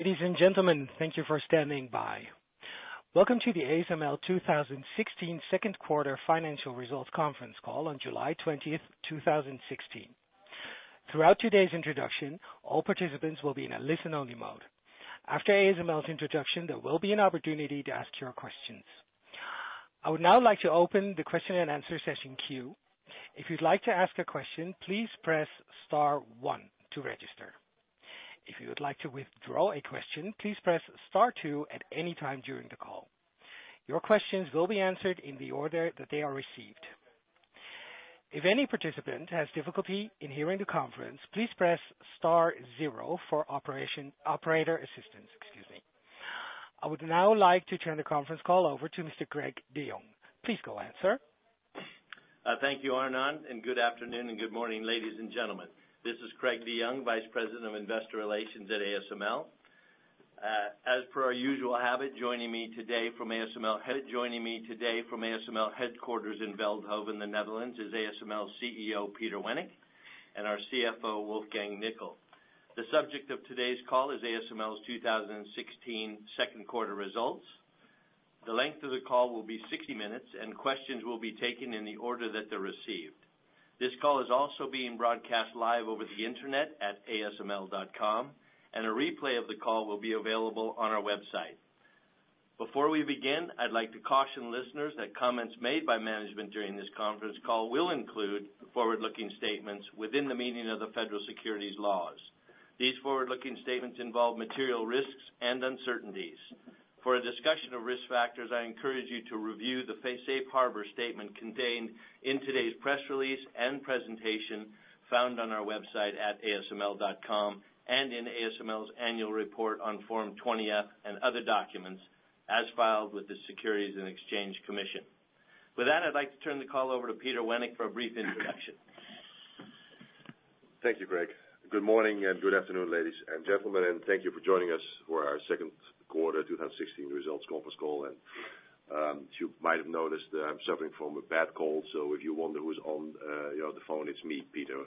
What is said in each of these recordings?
Ladies and gentlemen, thank you for standing by. Welcome to the ASML 2016 second quarter financial results conference call on July 20th, 2016. Throughout today's introduction, all participants will be in a listen-only mode. After ASML's introduction, there will be an opportunity to ask your questions. I would now like to open the question and answer session queue. If you would like to ask a question, please press star one to register. If you would like to withdraw a question, please press star two at any time during the call. Your questions will be answered in the order that they are received. If any participant has difficulty in hearing the conference, please press star zero for operator assistance. I would now like to turn the conference call over to Mr. Craig DeYoung. Please go ahead, sir. Thank you, Arnon, and good afternoon and good morning, ladies and gentlemen. This is Craig DeYoung, Vice President, Investor Relations at ASML. As per our usual habit, joining me today from ASML headquarters in Veldhoven, in the Netherlands, is ASML CEO, Peter Wennink, and our CFO, Wolfgang Nickl. The subject of today's call is ASML's 2016 second quarter results. The length of the call will be 60 minutes, and questions will be taken in the order that they are received. This call is also being broadcast live over the internet at asml.com, and a replay of the call will be available on our website. Before we begin, I'd like to caution listeners that comments made by management during this conference call will include forward-looking statements within the meaning of the federal securities laws. These forward-looking statements involve material risks and uncertainties. For a discussion of risk factors, I encourage you to review the safe harbor statement contained in today's press release and presentation found on our website at asml.com and in ASML's annual report on Form 20-F and other documents as filed with the Securities and Exchange Commission. With that, I'd like to turn the call over to Peter Wennink for a brief introduction. Thank you, Craig. Good morning and good afternoon, ladies and gentlemen, and thank you for joining us for our second quarter 2016 results conference call. You might have noticed that I'm suffering from a bad cold, so if you wonder who's on the phone, it's me, Peter.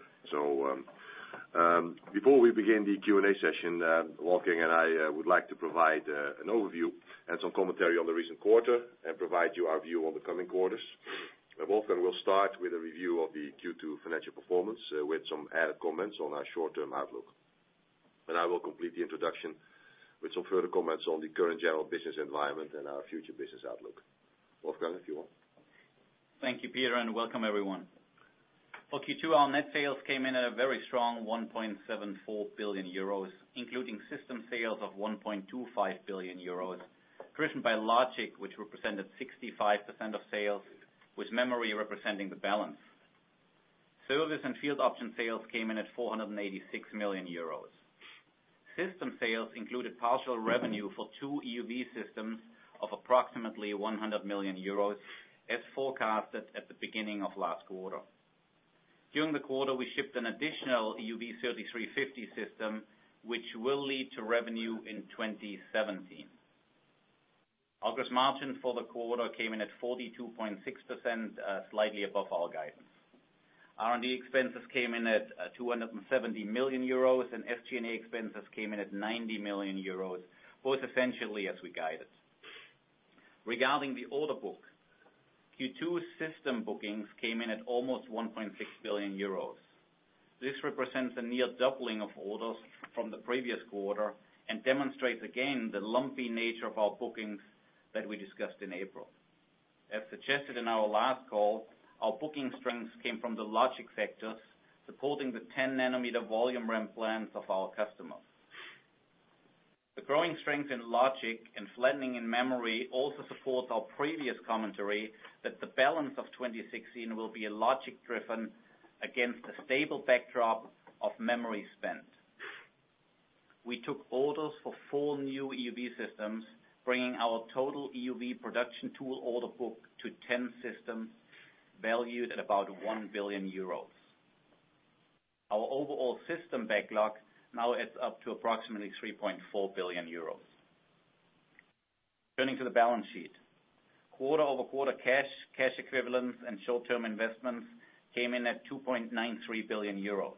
Before we begin the Q&A session, Wolfgang and I would like to provide an overview and some commentary on the recent quarter and provide you our view on the coming quarters. Wolfgang will start with a review of the Q2 financial performance, with some added comments on our short-term outlook. I will complete the introduction with some further comments on the current general business environment and our future business outlook. Wolfgang, if you want. Thank you, Peter, and welcome everyone. For Q2, our net sales came in at a very strong 1.74 billion euros, including system sales of 1.25 billion euros, driven by logic, which represented 65% of sales, with memory representing the balance. Service and field option sales came in at 486 million euros. System sales included partial revenue for two EUV systems of approximately 100 million euros, as forecasted at the beginning of last quarter. During the quarter, we shipped an additional EUV 3350 system, which will lead to revenue in 2017. Gross margin for the quarter came in at 42.6%, slightly above our guidance. R&D expenses came in at 270 million euros, and SG&A expenses came in at 90 million euros, both essentially as we guided. Regarding the order book, Q2 system bookings came in at almost 1.6 billion euros. This represents a near doubling of orders from the previous quarter and demonstrates again the lumpy nature of our bookings that we discussed in April. As suggested in our last call, our booking strength came from the logic sectors, supporting the 10-nanometer volume ramp plans of our customers. The growing strength in logic and flattening in memory also supports our previous commentary that the balance of 2016 will be logic-driven against a stable backdrop of memory spend. We took orders for four new EUV systems, bringing our total EUV production tool order book to 10 systems, valued at about 1 billion euros. Our overall system backlog now adds up to approximately 3.4 billion euros. Turning to the balance sheet. Quarter-over-quarter cash equivalents, and short-term investments came in at 2.93 billion euros.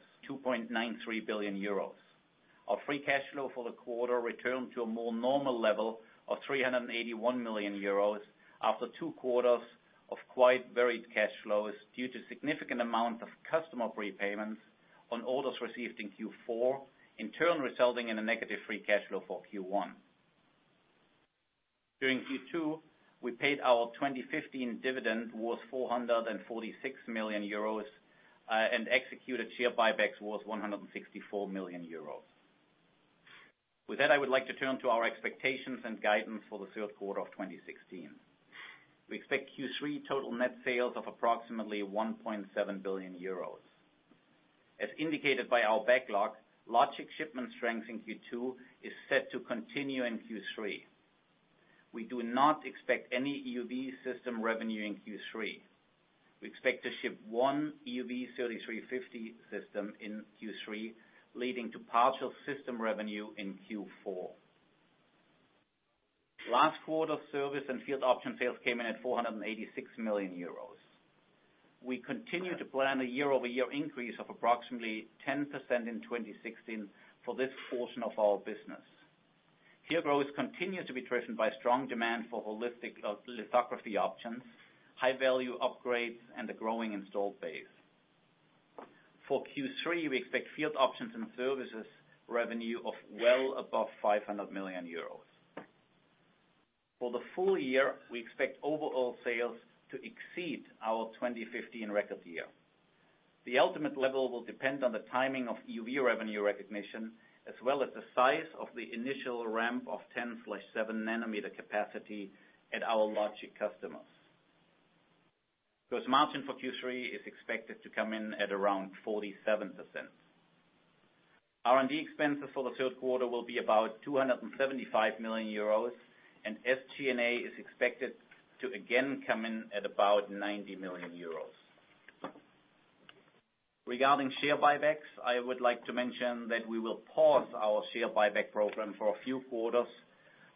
Our free cash flow for the quarter returned to a more normal level of 381 million euros after two quarters of quite varied cash flows due to significant amount of customer prepayments on orders received in Q4, in turn resulting in a negative free cash flow for Q1. During Q2, we paid our 2015 dividend worth 446 million euros, and executed share buybacks worth 164 million euros. With that, I would like to turn to our expectations and guidance for the third quarter of 2016. We expect Q3 total net sales of approximately 1.7 billion euros. As indicated by our backlog, logic shipment strength in Q2 is set to continue in Q3. We do not expect any EUV system revenue in Q3. We expect to ship one EUV 3350 system in Q3, leading to partial system revenue in Q4. Last quarter service and field option sales came in at 486 million euros. We continue to plan a year-over-year increase of approximately 10% in 2016 for this portion of our business. Here growth continues to be driven by strong demand for holistic lithography options, high-value upgrades, and the growing installed base. For Q3, we expect field options and services revenue of well above 500 million euros. For the full year, we expect overall sales to exceed our 2015 record year. The ultimate level will depend on the timing of EUV revenue recognition, as well as the size of the initial ramp of 10/7 nanometer capacity at our logic customers. Gross margin for Q3 is expected to come in at around 47%. R&D expenses for the third quarter will be about 275 million euros, and SG&A is expected to again come in at about 90 million euros. Regarding share buybacks, I would like to mention that we will pause our share buyback program for a few quarters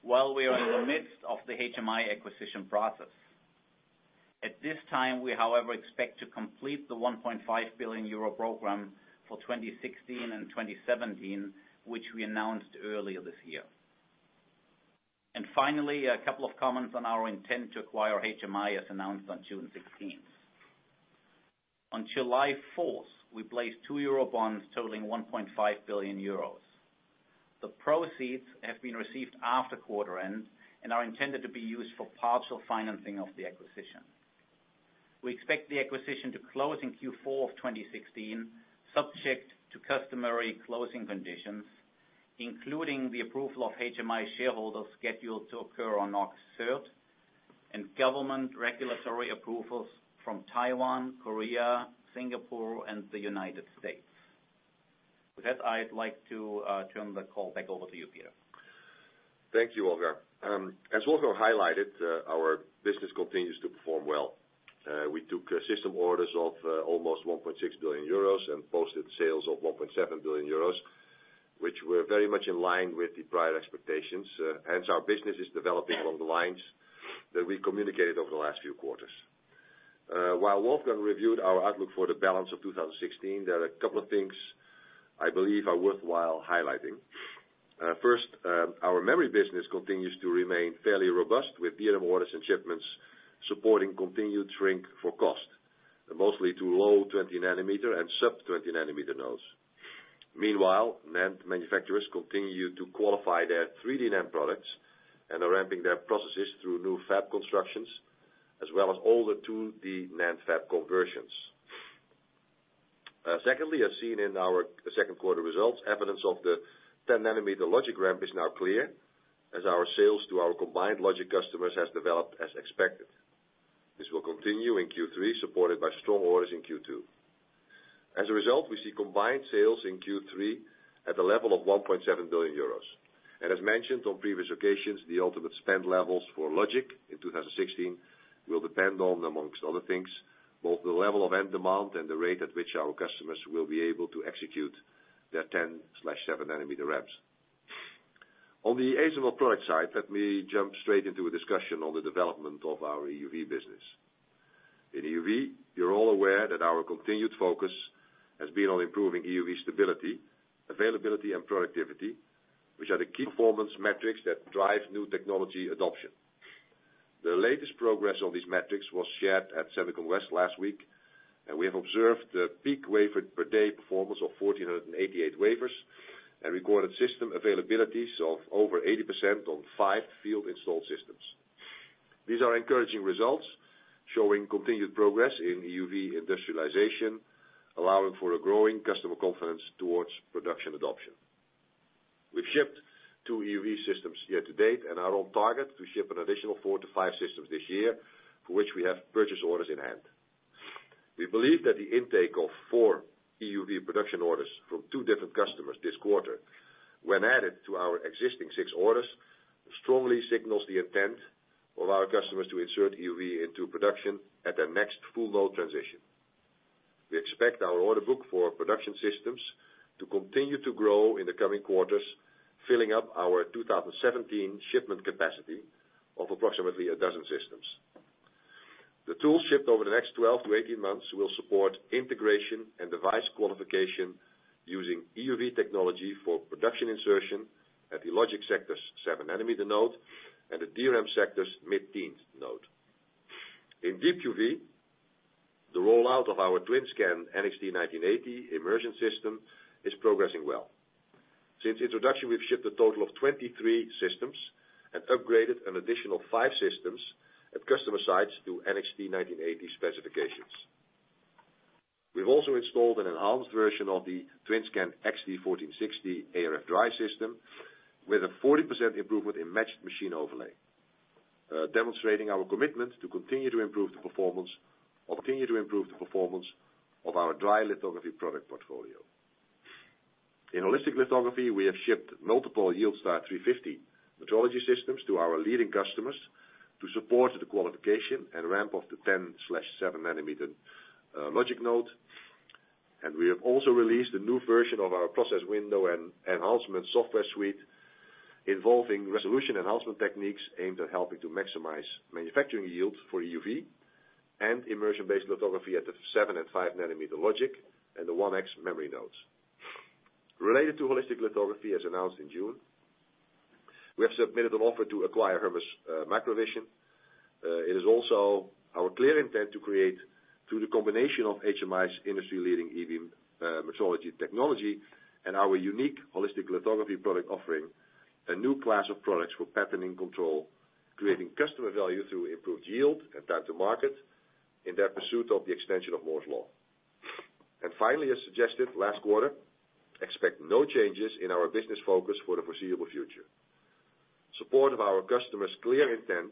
while we are in the midst of the HMI acquisition process. At this time, we, however, expect to complete the 1.5 billion euro program for 2016 and 2017, which we announced earlier this year. Finally, a couple of comments on our intent to acquire HMI, as announced on June 16th. On July 4th, we placed two EUR bonds totaling 1.5 billion euros. The proceeds have been received after quarter end and are intended to be used for partial financing of the acquisition. We expect the acquisition to close in Q4 2016, subject to customary closing conditions, including the approval of HMI shareholders scheduled to occur on August 3rd, and government regulatory approvals from Taiwan, Korea, Singapore, and the U.S. With that, I'd like to turn the call back over to you, Peter. Thank you, Wolfgang. As Wolfgang highlighted, our business continues to perform well. We took system orders of almost 1.6 billion euros and posted sales of 1.7 billion euros, which were very much in line with the prior expectations. Hence, our business is developing along the lines that we communicated over the last few quarters. While Wolfgang reviewed our outlook for the balance of 2016, there are a couple of things I believe are worthwhile highlighting. First, our memory business continues to remain fairly robust, with DRAM orders and shipments supporting continued shrink for cost, mostly to low 20 nanometer and sub-20 nanometer nodes. Meanwhile, NAND manufacturers continue to qualify their 3D NAND products and are ramping their processes through new fab constructions as well as older 2D NAND fab conversions. Secondly, as seen in our second quarter results, evidence of the 10 nanometer logic ramp is now clear as our sales to our combined logic customers has developed as expected. This will continue in Q3, supported by strong orders in Q2. As a result, we see combined sales in Q3 at the level of 1.7 billion euros. As mentioned on previous occasions, the ultimate spend levels for logic in 2016 will depend on, amongst other things, both the level of end demand and the rate at which our customers will be able to execute their 10/7 nanometer ramps. On the ASML product side, let me jump straight into a discussion on the development of our EUV business. In EUV, you're all aware that our continued focus has been on improving EUV stability, availability, and productivity, which are the key performance metrics that drive new technology adoption. The latest progress on these metrics was shared at SEMICON West last week. We have observed a peak wafer per day performance of 1,488 wafers and recorded system availabilities of over 80% on five field-installed systems. These are encouraging results showing continued progress in EUV industrialization, allowing for a growing customer confidence towards production adoption. We've shipped two EUV systems year to date and are on target to ship an additional four to five systems this year, for which we have purchase orders in hand. We believe that the intake of four EUV production orders from two different customers this quarter, when added to our existing six orders, strongly signals the intent of our customers to insert EUV into production at their next full node transition. We expect our order book for production systems to continue to grow in the coming quarters, filling up our 2017 shipment capacity of approximately a dozen systems. The tools shipped over the next 12 to 18 months will support integration and device qualification using EUV technology for production insertion at the logic sector's 7-nanometer node and the DRAM sector's mid-teens node. In Deep UV, the rollout of our TWINSCAN NXT:1980 immersion system is progressing well. Since introduction, we've shipped a total of 23 systems and upgraded an additional five systems at customer sites to NXT:1980 specifications. We've also installed an enhanced version of the TWINSCAN XT:1460 ArF dry system with a 40% improvement in matched machine overlay, demonstrating our commitment to continue to improve the performance of our dry lithography product portfolio. In holistic lithography, we have shipped multiple YieldStar 350 metrology systems to our leading customers to support the qualification and ramp of the 10/7 nanometer logic node. We have also released a new version of our process window and enhancement software suite involving resolution enhancement techniques aimed at helping to maximize manufacturing yield for EUV and immersion-based lithography at the seven and five-nanometer logic, and the 1X memory nodes. Related to holistic lithography, as announced in June, we have submitted an offer to acquire Hermes Microvision. It is also our clear intent to create, through the combination of HMI's industry-leading EUV metrology technology and our unique holistic lithography product offering, a new class of products for patterning control, creating customer value through improved yield and time to market in their pursuit of the extension of Moore's Law. Finally, as suggested last quarter, expect no changes in our business focus for the foreseeable future. Support of our customers' clear intent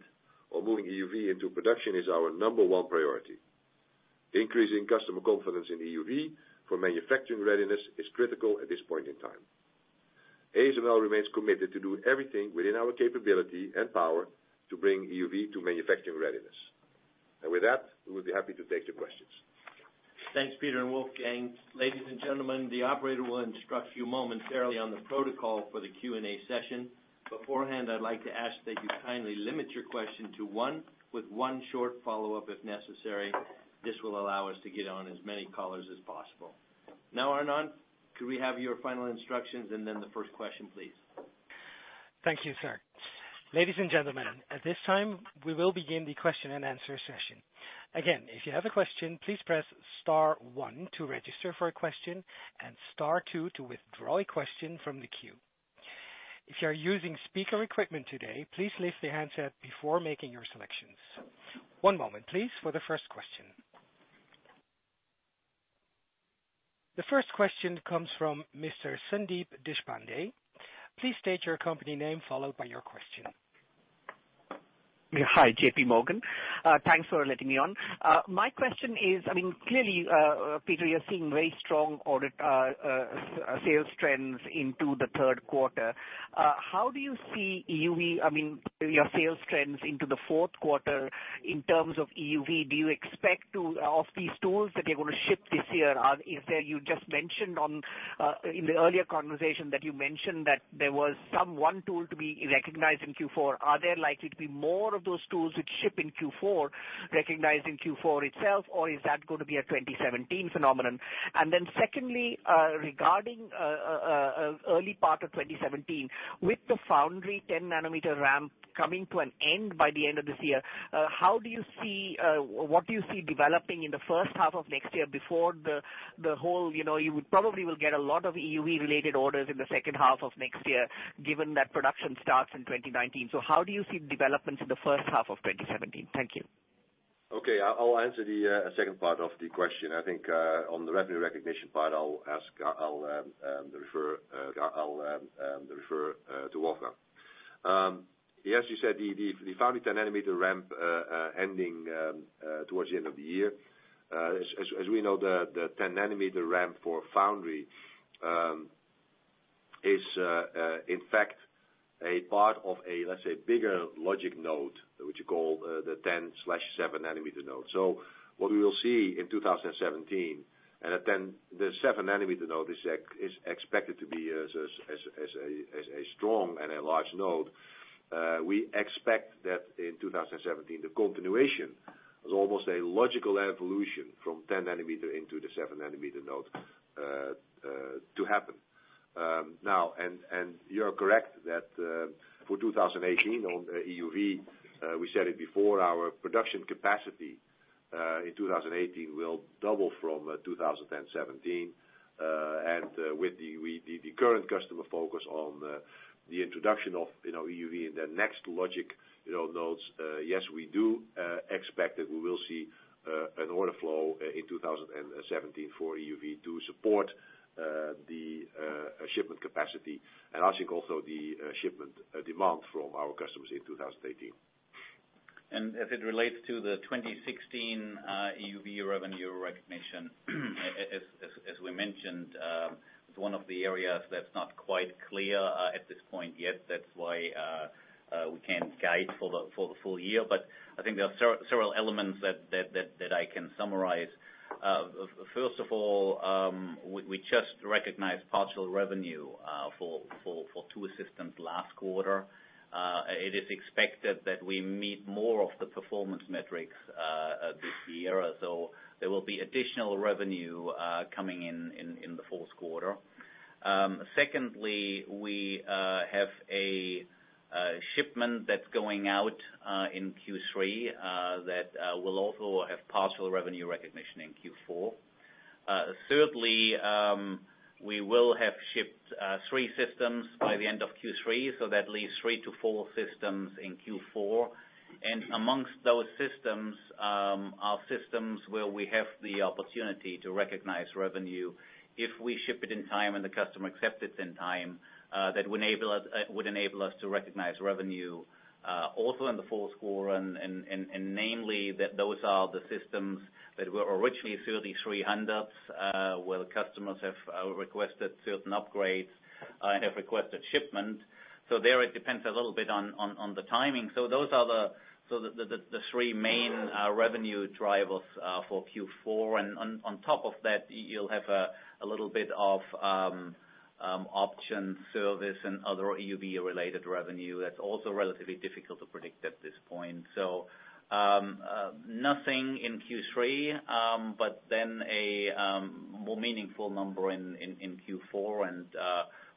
on moving EUV into production is our number one priority. Increasing customer confidence in EUV for manufacturing readiness is critical at this point in time. ASML remains committed to doing everything within our capability and power to bring EUV to manufacturing readiness. With that, we would be happy to take your questions. Thanks, Peter and Wolfgang. Ladies and gentlemen, the operator will instruct you momentarily on the protocol for the Q&A session. Beforehand, I'd like to ask that you kindly limit your question to one, with one short follow-up if necessary. This will allow us to get on as many callers as possible. Now, Arnon, could we have your final instructions and then the first question, please? Thank you, sir. Ladies and gentlemen, at this time, we will begin the question-and-answer session. Again, if you have a question, please press star one to register for a question, and star two to withdraw a question from the queue. If you are using speaker equipment today, please lift the handset before making your selections. One moment, please, for the first question. The first question comes from Mr. Sandeep Deshpande. Please state your company name, followed by your question. Hi, JPMorgan. Thanks for letting me on. My question is, clearly, Peter, you're seeing very strong Applications sales trends into the third quarter. How do you see your sales trends into the fourth quarter in terms of EUV? Do you expect of these tools that you're going to ship this year, you just mentioned in the earlier conversation that there was some one tool to be recognized in Q4. Are there likely to be more of those tools which ship in Q4 recognized in Q4 itself, or is that going to be a 2017 phenomenon? Secondly, regarding early part of 2017, with the foundry 10 nanometer ramp coming to an end by the end of this year, what do you see developing in the first half of next year? You probably will get a lot of EUV-related orders in the second half of next year, given that production starts in 2019. How do you see developments in the first half of 2017? Thank you. I'll answer the second part of the question. I think on the revenue recognition part, I'll refer to Wolfgang Nickl. Yes, you said the foundry 10 nanometer ramp ending towards the end of the year. As we know, the 10 nanometer ramp for foundry is, in fact, a part of let's say, bigger logic node, which you call the 10/7 nanometer node. What we will see in 2017, the seven-nanometer node is expected to be as a strong and a large node. We expect that in 2017, the continuation is almost a logical evolution from 10 nanometer into the seven-nanometer node to happen. You're correct that for 2018 on EUV, we said it before, our production capacity in 2018 will double from 2017. With the current customer focus on the introduction of EUV in the next logic nodes, yes, we do expect that we will see an order flow in 2017 for EUV to support the shipment capacity, I think also the shipment demand from our customers in 2018. As it relates to the 2016 EUV revenue recognition, as we mentioned, it's one of the areas that's not quite clear at this point yet. That's why we can't guide for the full year. I think there are several elements that I can summarize. First of all, we just recognized partial revenue for two systems last quarter. It is expected that we meet more of the performance metrics this year. There will be additional revenue coming in the fourth quarter. Secondly, we have a shipment that's going out in Q3 that will also have partial revenue recognition in Q4. Thirdly, we will have shipped three systems by the end of Q3, that leaves three to four systems in Q4. Amongst those systems are systems where we have the opportunity to recognize revenue if we ship it in time and the customer accepts it in time. That would enable us to recognize revenue also in the fourth quarter, and namely, that those are the systems that were originally 3300s, where the customers have requested certain upgrades and have requested shipment. There, it depends a little bit on the timing. Those are the three main Our revenue drivers for Q4. On top of that, you'll have a little bit of option service and other EUV-related revenue that's also relatively difficult to predict at this point. Nothing in Q3, a more meaningful number in Q4.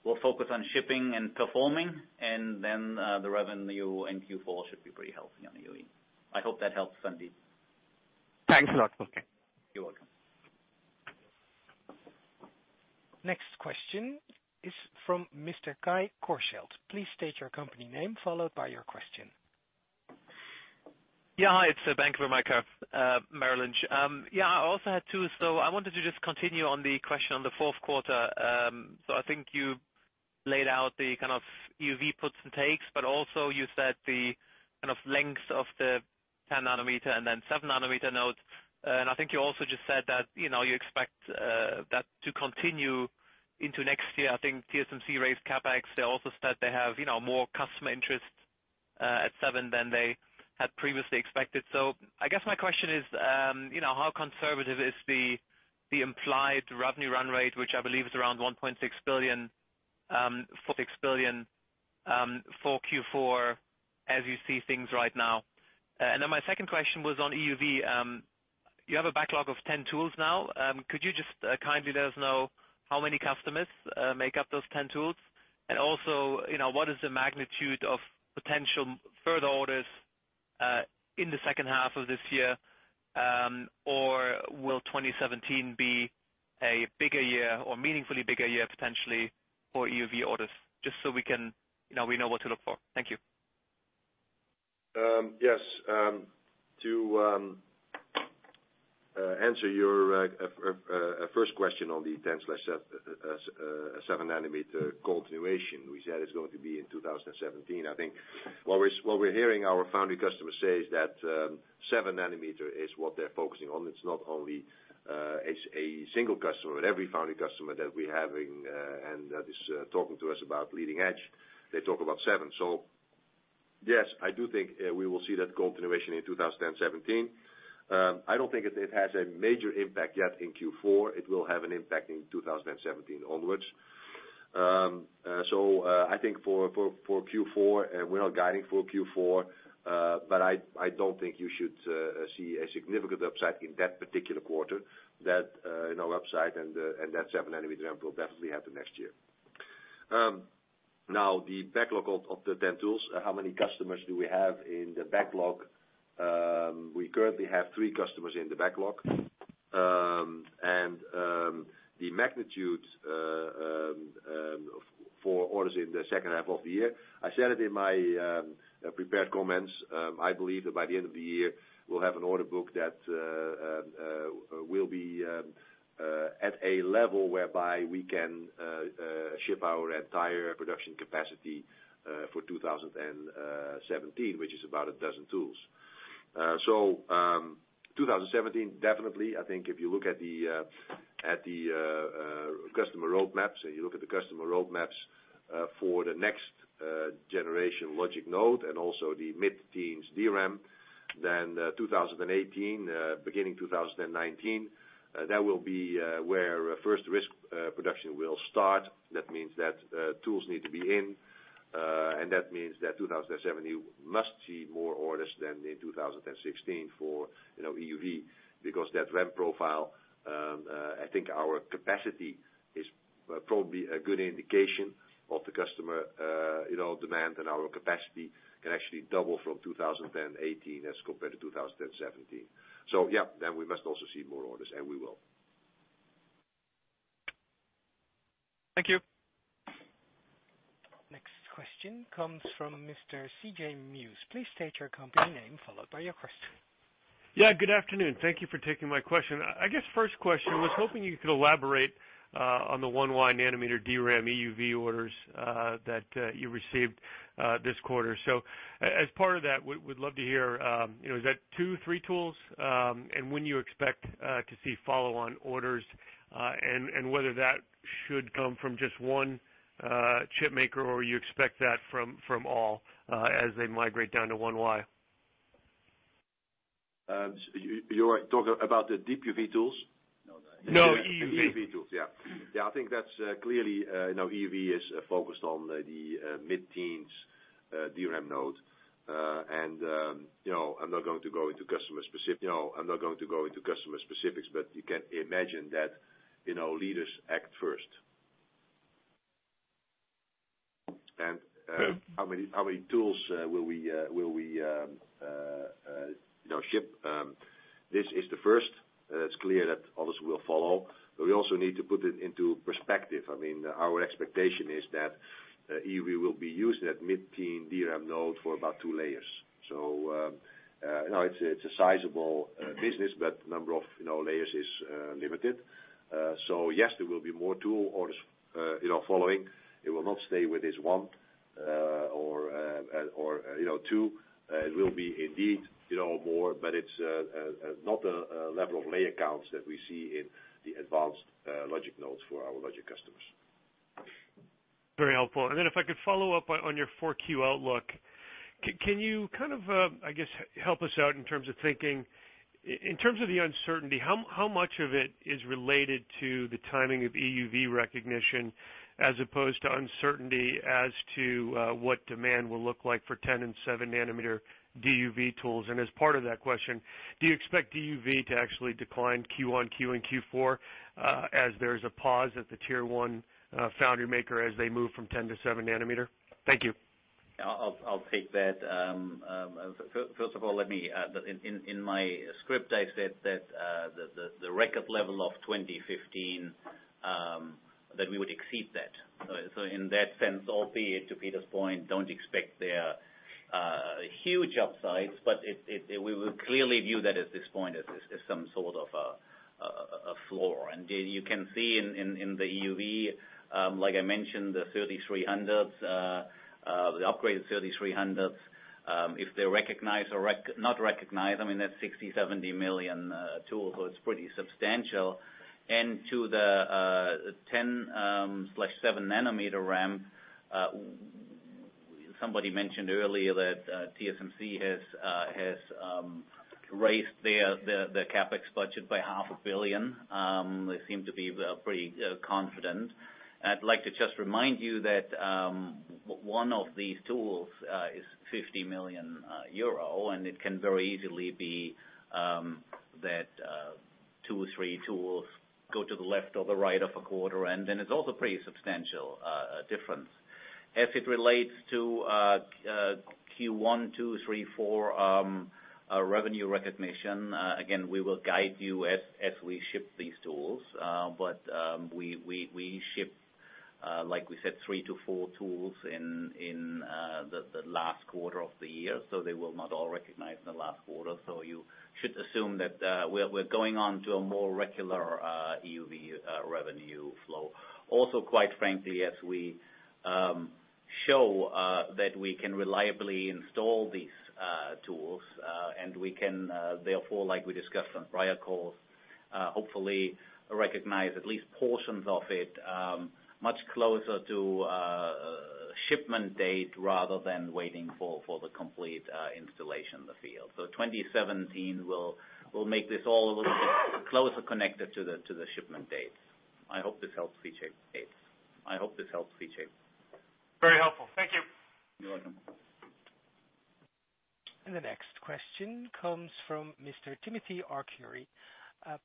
We'll focus on shipping and performing, the revenue in Q4 should be pretty healthy on EUV. I hope that helps, Sandeep. Thanks a lot. Okay. You're welcome. Next question is from Mr. Kai Korschelt. Please state your company name, followed by your question. Hi, it's Bank of America Merrill Lynch. I also had two. I wanted to just continue on the question on the fourth quarter. I think you laid out the kind of EUV puts and takes, but also you said the kind of lengths of the 10 nanometer and then 7 nanometer nodes. I think you also just said that you expect that to continue into next year. I think TSMC raised CapEx. They also said they have more customer interest at 7 than they had previously expected. I guess my question is, how conservative is the implied revenue run rate, which I believe is around 1.6 billion for Q4 as you see things right now? Then my second question was on EUV. You have a backlog of 10 tools now. Could you just kindly let us know how many customers make up those 10 tools? Also, what is the magnitude of potential further orders in the second half of this year? Will 2017 be a bigger year or meaningfully bigger year potentially for EUV orders? Just so we know what to look for. Thank you. Yes. To answer your first question on the 10/7 nanometer continuation, we said it's going to be in 2017. I think what we're hearing our foundry customers say is that 7 nanometer is what they're focusing on. It's not only a single customer. Every foundry customer that we're having and that is talking to us about leading edge, they talk about 7. Yes, I do think we will see that continuation in 2017. I don't think it has a major impact yet in Q4. It will have an impact in 2017 onwards. I think for Q4, we're not guiding for Q4. I don't think you should see a significant upside in that particular quarter. That in our upside and that 7 nanometer ramp will definitely happen next year. Now, the backlog of the 10 tools, how many customers do we have in the backlog? We currently have three customers in the backlog. The magnitude for orders in the second half of the year, I said it in my prepared comments. I believe that by the end of the year, we'll have an order book that will be at a level whereby we can ship our entire production capacity for 2017, which is about a dozen tools. 2017, definitely, I think if you look at the customer roadmaps for the next generation logic node and also the mid-teens DRAM, 2018, beginning 2019, that will be where first-risk production will start. That means that tools need to be in. That means that 2017 must see more orders than in 2016 for EUV, because that ramp profile, I think our capacity is probably a good indication of the customer demand. Our capacity can actually double from 2018 as compared to 2017. Yeah, we must also see more orders, and we will. Thank you. Next question comes from Mr. C.J. Muse. Please state your company name, followed by your question. Yeah, good afternoon. Thank you for taking my question. I guess first question, was hoping you could elaborate on the 1Y nm DRAM EUV orders that you received this quarter. As part of that, we'd love to hear, is that two, three tools? And when you expect to see follow-on orders, and whether that should come from just one chip maker, or you expect that from all as they migrate down to 1Y. You're talking about the Deep UV tools? No, EUV. EUV tools, yeah. Yeah, I think that's clearly, EUV is focused on the mid-teens DRAM node. I'm not going to go into customer specifics, but you can imagine that leaders act first. Yeah how many tools will we ship? This is the first. It's clear that others will follow. We also need to put it into perspective. Our expectation is that EUV will be used at mid-teens DRAM node for about two layers. It's a sizable business, but the number of layers is limited. Yes, there will be more tool orders following. It will not stay with this one or two. It will be indeed more, but it's not a level of layer counts that we see in the advanced logic nodes for our logic customers. Very helpful. If I could follow up on your 4Q outlook, can you, I guess, help us out in terms of thinking, in terms of the uncertainty, how much of it is related to the timing of EUV recognition as opposed to uncertainty as to what demand will look like for 10 and 7 nanometer DUV tools? As part of that question, do you expect DUV to actually decline Q1, Q2 and Q4, as there is a pause at the Tier 1 foundry maker as they move from 10 to 7 nanometer? Thank you. I'll take that. First of all, let me, in my script, I said that the record level of 2015, that we would exceed that. In that sense, albeit to Peter Wennink's point, don't expect there huge upsides, but we will clearly view that at this point as some sort of a floor. You can see in the EUV, like I mentioned, the upgraded 3300s, if they're recognized or not recognized, I mean, that's a 60 million-70 million tool, so it's pretty substantial. To the 10/7 nanometer ramp, somebody mentioned earlier that TSMC has raised their CapEx budget by EUR half a billion. They seem to be pretty confident. I'd like to just remind you that one of these tools is 50 million euro, and it can very easily be that two, three tools go to the left or the right of a quarter, it's also pretty substantial difference. As it relates to Q1, two, three, four, revenue recognition, again, we will guide you as we ship these tools. We ship, like we said, three to four tools in the last quarter of the year, so they will not all recognize the last quarter. You should assume that we're going on to a more regular EUV revenue flow. Also, quite frankly, as we show that we can reliably install these tools, and we can, therefore, like we discussed on prior calls, hopefully recognize at least portions of it much closer to shipment date rather than waiting for the complete installation in the field. 2017 will make this all a little bit closer connected to the shipment dates. I hope this helps, C.J. Very helpful. Thank you. You're welcome. The next question comes from Mr. Timothy Arcuri.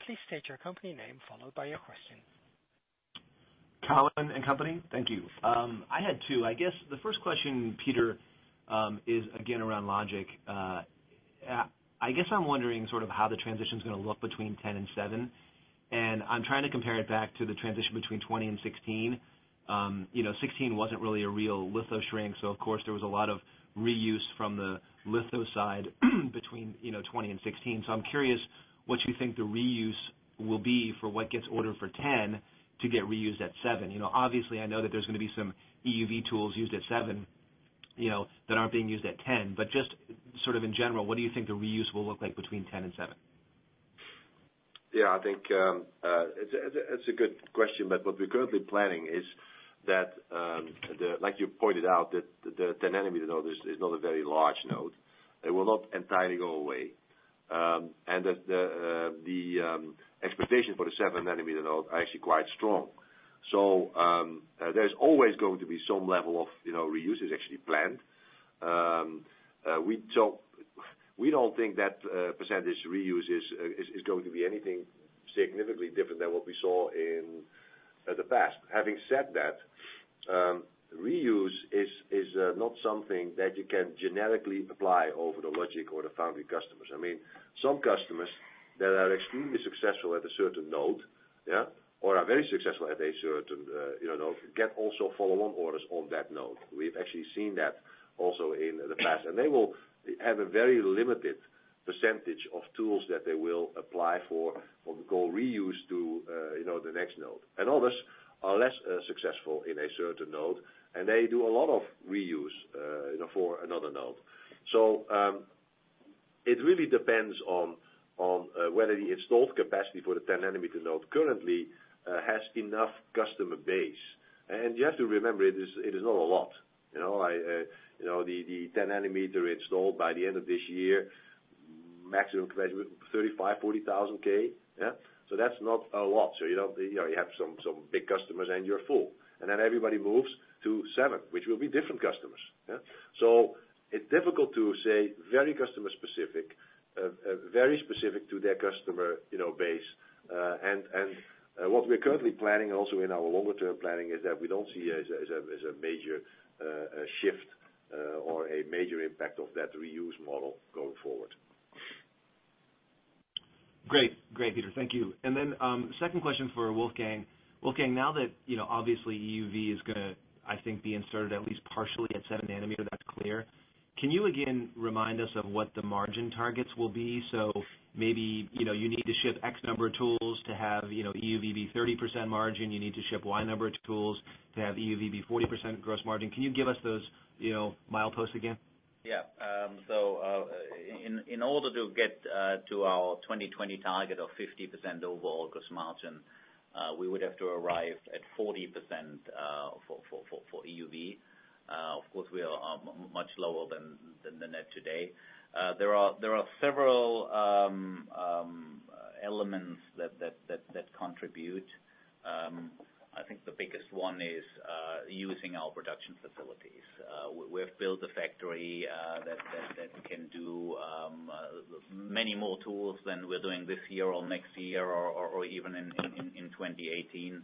Please state your company name, followed by your question. Cowen and Company. Thank you. I had two. I guess the first question, Peter, is again around logic. I guess I'm wondering sort of how the transition's going to look between 10 and 7, and I'm trying to compare it back to the transition between 20 and 16. Sixteen wasn't really a real litho shrink, so of course, there was a lot of reuse from the litho side between 20 and 16. I'm curious what you think the reuse will be for what gets ordered for 10 to get reused at 7. Obviously, I know that there's going to be some EUV tools used at 7 that aren't being used at 10. Just sort of in general, what do you think the reuse will look like between 10 and 7? I think it's a good question, but what we're currently planning is that, like you pointed out, the 10-nanometer node is not a very large node. It will not entirely go away. That the expectation for the 7-nanometer node are actually quite strong. There's always going to be some level of reuse is actually planned. We don't think that percentage reuse is going to be anything significantly different than what we saw in the past. Having said that, reuse is not something that you can generically apply over the logic or the foundry customers. I mean, some customers that are extremely successful at a certain node or are very successful at a certain node, get also follow-on orders on that node. We've actually seen that also in the past, they will have a very limited percentage of tools that they will apply for what we call reuse to the next node. Others are less successful in a certain node, they do a lot of reuse for another node. It really depends on whether the installed capacity for the 10-nanometer node currently has enough customer base. You have to remember, it is not a lot. The 10-nanometer installed by the end of this year, maximum capacity with 35,000, 40,000. That's not a lot. You have some big customers, and you're full. Then everybody moves to 7, which will be different customers. It's difficult to say, very customer specific, very specific to their customer base. What we're currently planning also in our longer-term planning is that we don't see it as a major shift or a major impact of that reuse model going forward. Great. Peter, thank you. Second question for Wolfgang. Wolfgang, now that obviously EUV is going to, I think, be inserted at least partially at 7 nanometer, that's clear. Can you again remind us of what the margin targets will be? Maybe, you need to ship X number of tools to have EUV be 30% margin. You need to ship Y number of tools to have EUV be 40% gross margin. Can you give us those mileposts again? Yeah. In order to get to our 2020 target of 50% overall gross margin, we would have to arrive at 40% for EUV. Of course, we are much lower than that today. There are several elements that contribute. I think the biggest one is using our production facilities. We've built a factory that can do many more tools than we're doing this year or next year or even in 2018.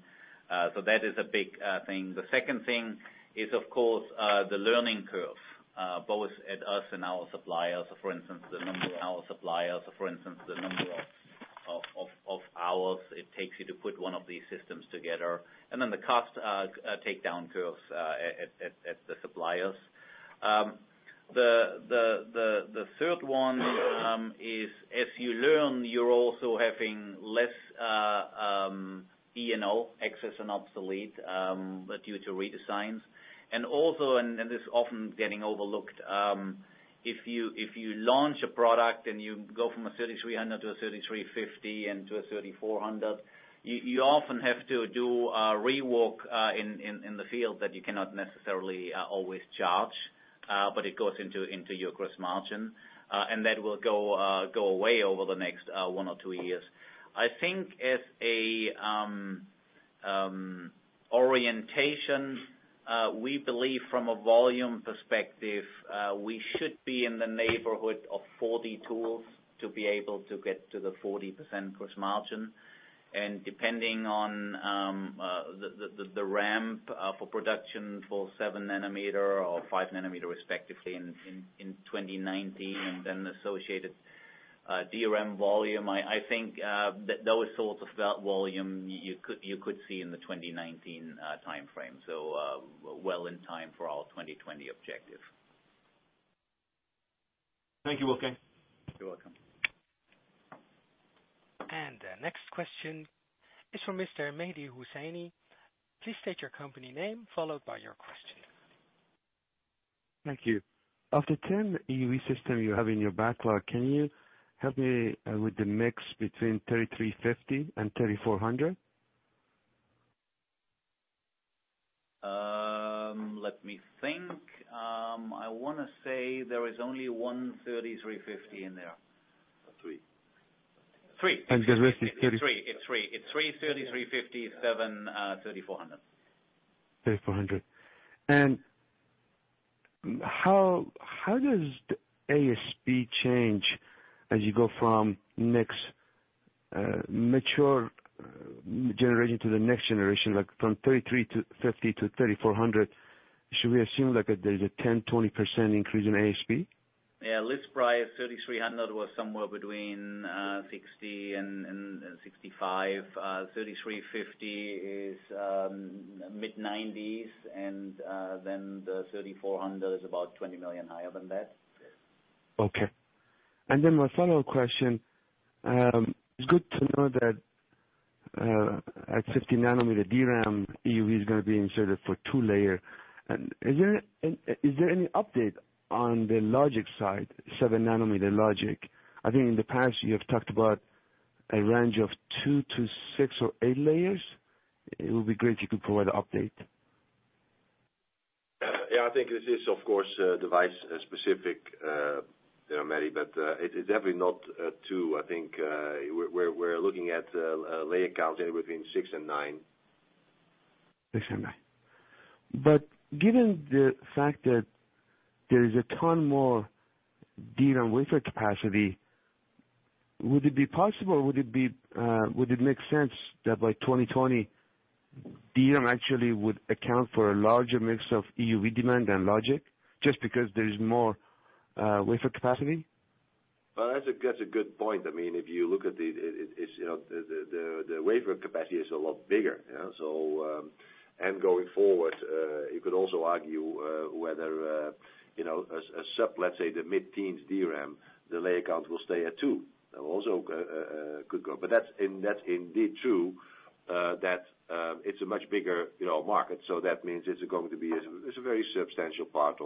That is a big thing. The second thing is, of course, the learning curve, both at us and our suppliers. For instance, the number of hours it takes you to put one of these systems together, then the cost takedown curves at the suppliers. The third one is, as you learn, you're also having less E&O, excess and obsolete, due to redesigns. Also, this is often getting overlooked, if you launch a product and you go from a NXE:3300 to a 3350 and to a NXE:3400, you often have to do a rework in the field that you cannot necessarily always charge, but it goes into your gross margin. That will go away over the next one or two years. I think as an orientation, we believe from a volume perspective, we should be in the neighborhood of 40 tools to be able to get to the 40% gross margin. Depending on the ramp for production for 7 nanometer or 5 nanometer respectively in 2019, and then the associated DRAM volume, I think that those sorts of volumes you could see in the 2019 timeframe. Well in time for our 2020 objective. Thank you, Wolfgang. You're welcome. The next question is from Mr. Mehdi Hosseini. Please state your company name, followed by your question. Thank you. Of the 10 EUV system you have in your backlog, can you help me with the mix between 3350 and NXE:3400? Let me think. I want to say there is only one 3350 in there. Three. Three. The rest is. It's three. It's three 3350, seven NXE:3400. NXE:3400. How does the ASP change as you go from next mature generation to the next generation, like from 3350 to NXE:3400? Should we assume there's a 10, 20% increase in ASP? Yeah. List price NXE:3300 was somewhere between 60 and 65. 3350 is mid-EUR 90s. Then the NXE:3400 is about 20 million higher than that. Okay. Then my follow-up question. It's good to know that at 15 nanometer DRAM, EUV is going to be inserted for two-layer. Is there any update on the logic side, seven-nanometer logic? I think in the past you have talked about a range of two to six or eight layers. It will be great if you could provide an update. Yeah, I think this is, of course, device-specific, Mehdi, but it's definitely not two. I think we're looking at layer count anywhere between six and nine. Six and nine. Given the fact that there is a ton more DRAM wafer capacity, would it be possible, would it make sense that by 2020 DRAM actually would account for a larger mix of EUV demand than logic, just because there is more wafer capacity? Well, that's a good point. If you look at it, the wafer capacity is a lot bigger. Going forward, you could also argue whether, let's say the mid-teens DRAM, the layer count will stay at two. That's indeed true that it's a much bigger market, so that means it's going to be a very substantial part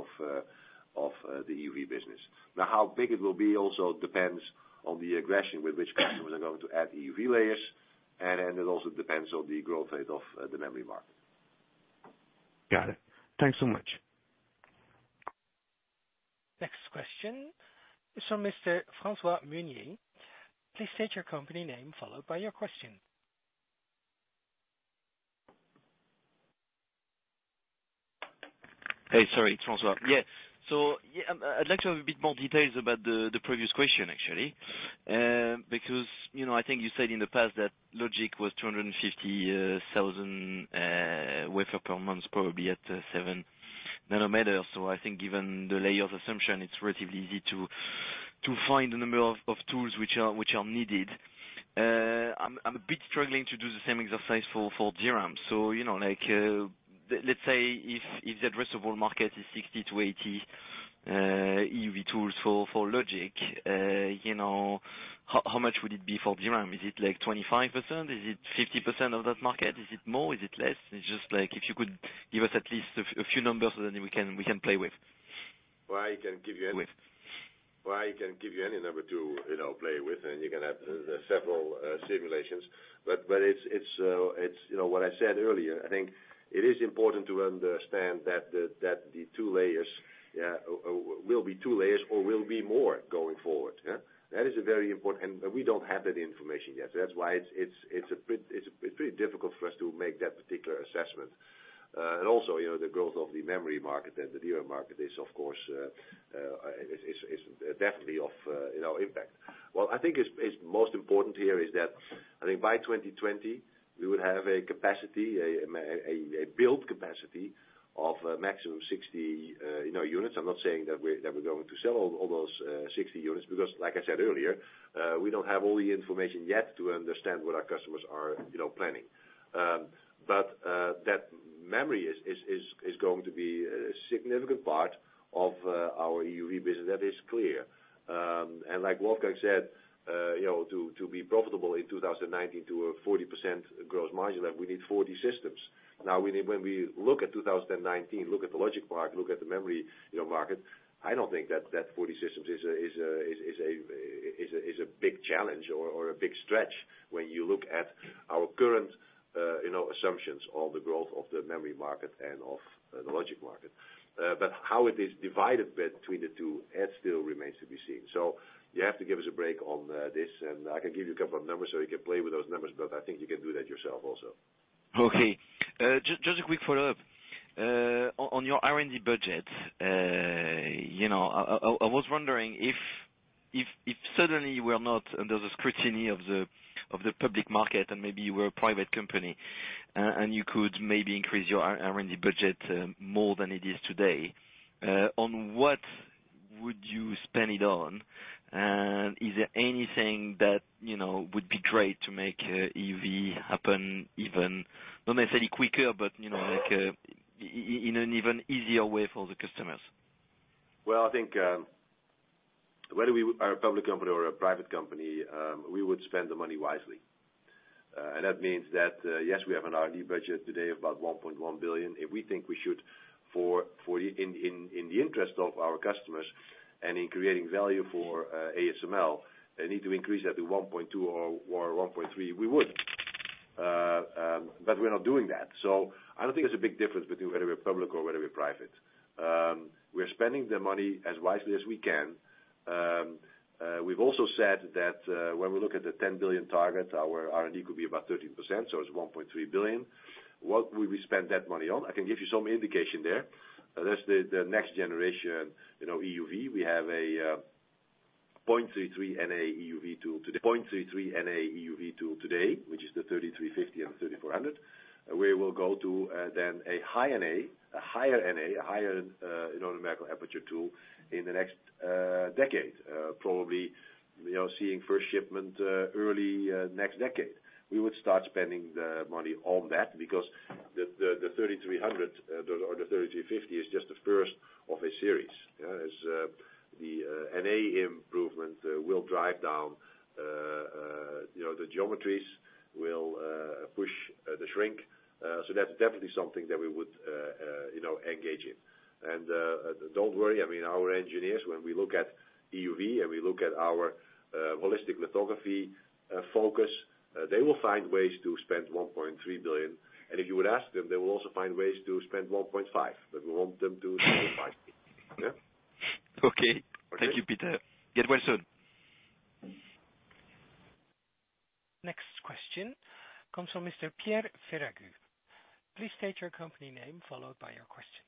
of the EUV business. Now, how big it will be also depends on the aggression with which customers are going to add EUV layers. It also depends on the growth rate of the memory market. Got it. Thanks so much. Next question is from Mr. Francois Meunier. Please state your company name, followed by your question. I'd like to have a bit more details about the previous question, actually. I think you said in the past that logic was 250,000 wafers per month, probably at 7 nanometers. I think given the layer of assumption, it's relatively easy to find the number of tools which are needed. I'm a bit struggling to do the same exercise for DRAM. Let's say if the addressable market is 60-80 EUV tools for logic, how much would it be for DRAM? Is it like 25%? Is it 50% of that market? Is it more? Is it less? If you could give us at least a few numbers that we can play with. Well, I can give you any number to play with, and you can have several simulations. What I said earlier, I think it is important to understand that the 2 layers will be 2 layers or will be more going forward. That is very important. We don't have that information yet. That's why it's pretty difficult for us to make that particular assessment. Also, the growth of the memory market and the DRAM market is, of course, definitely of impact. What I think is most important here is that, by 2020, we would have a build capacity of a maximum 60 units. I'm not saying that we're going to sell all those 60 units, because like I said earlier, we don't have all the information yet to understand what our customers are planning. That memory is going to be a significant part of our EUV business. That is clear. Like Wolfgang said, to be profitable in 2019 to a 40% gross margin level, we need 40 systems. When we look at 2019, look at the logic part, look at the memory market, I don't think that that 40 systems is a big challenge or a big stretch when you look at our current assumptions of the growth of the memory market and of the logic market. How it is divided between the 2, that still remains to be seen. You have to give us a break on this, and I can give you a couple of numbers so you can play with those numbers, but I think you can do that yourself also. Okay. Just a quick follow-up. On your R&D budget, I was wondering if suddenly we are not under the scrutiny of the public market and maybe you were a private company, and you could maybe increase your R&D budget more than it is today, on what would you spend it on? Is there anything that would be great to make EUV happen even, don't want to say quicker, but in an even easier way for the customers? I think whether we are a public company or a private company, we would spend the money wisely. That means that, yes, we have an R&D budget today of about 1.1 billion. If we think we should, in the interest of our customers and in creating value for ASML, need to increase that to 1.2 billion or 1.3 billion, we would. We're not doing that. I don't think there's a big difference between whether we're public or whether we're private. We're spending the money as wisely as we can. We've also said that when we look at the 10 billion target, our R&D could be about 13%, so it's 1.3 billion. What would we spend that money on? I can give you some indication there. There's the next generation EUV. We have a 0.33 NA EUV tool today, which is the NXE:3350 and the NXE:3400. We will go to a higher NA, a higher numerical aperture tool in the next decade. Probably, seeing first shipment early next decade. We would start spending the money on that because the NXE:3300 or the NXE:3350 is just the first of a series. As the NA improvement will drive down, the geometries will push the shrink. That's definitely something that we would engage in. Don't worry, our engineers, when we look at EUV and we look at our holistic lithography focus, they will find ways to spend 1.3 billion. If you would ask them, they will also find ways to spend 1.5 billion, but we want them to spend 1.3 billion. Okay. Thank you, Peter. Okay. Get well soon. Next question comes from Mr. Pierre Ferragu. Please state your company name, followed by your question.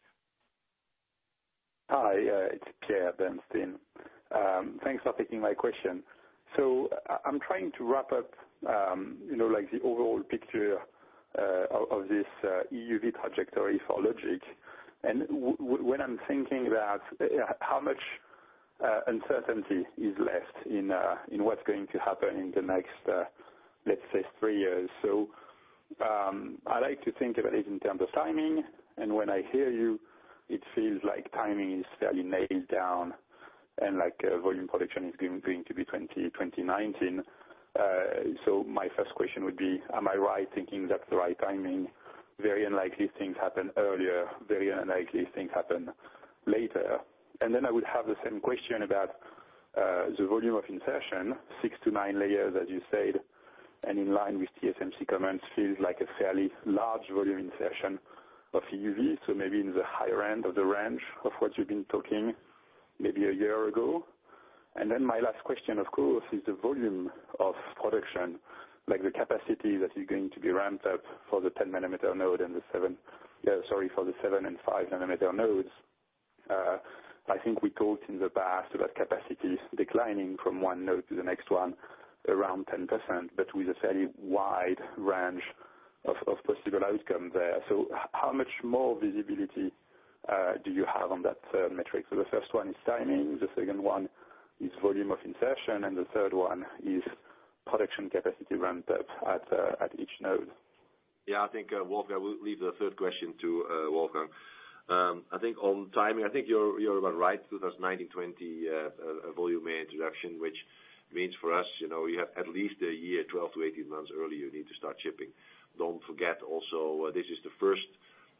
Hi, it's Pierre at Bernstein. Thanks for taking my question. I'm trying to wrap up the overall picture of this EUV trajectory for logic. When I'm thinking about how much uncertainty is left in what's going to happen in the next, let's say, three years. I like to think about it in terms of timing, and when I hear you, it feels like timing is fairly nailed down and volume production is going to be 2019. My first question would be, am I right thinking that's the right timing? Very unlikely things happen earlier, very unlikely things happen later. I would have the same question about the volume of insertion, six to nine layers, as you said, and in line with TSMC comments, feels like a fairly large volume insertion of EUV, maybe in the higher end of the range of what you've been talking maybe a year ago. My last question, of course, is the volume of production, like the capacity that is going to be ramped up for the 10 nanometer node and for the seven and five nanometer nodes. I think we talked in the past about capacities declining from one node to the next one around 10%, but with a fairly wide range of possible outcome there. How much more visibility do you have on that metric? The first one is timing, the second one is volume of insertion, and the third one is production capacity ramped up at each node. Yeah, I think Wolfgang. We'll leave the third question to Wolfgang. I think on timing, you're about right, 2019, 2020 volume introduction, which means for us, we have at least a year, 12 to 18 months earlier, you need to start shipping. Don't forget also, this is the first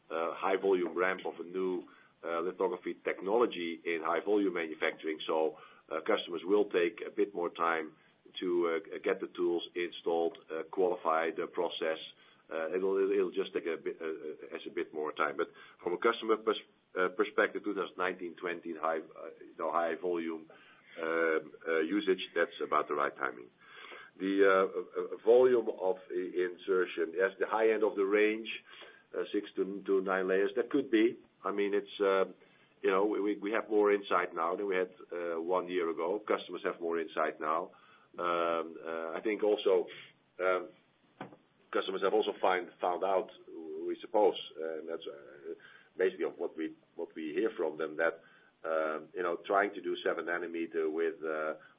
high volume ramps of a new lithography technology in high volume manufacturing. Customers will take a bit more time to get the tools installed, qualify the process. It'll just take a bit more time. From a customer perspective, 2019, 2020, high volume usage, that's about the right timing. The volume of insertion, yes, the high end of the range, six to nine layers. That could be. We have more insight now than we had one year ago. Customers have more insight now. I think also, customers have also found out, we suppose, and that's basically what we hear from them, that trying to do 7 nanometer